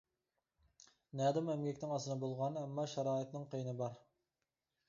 نەدىمۇ ئەمگەكنىڭ ئاسىنى بولغان؟ ئەمما شارائىتنىڭ قىيىنى بار.